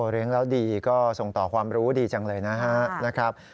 เลี้ยงแล้วดีก็ส่งต่อความรู้ดีจังเลยนะครับ